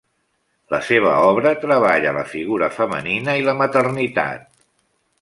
La seva obra treballa la figura femenina i la maternitat.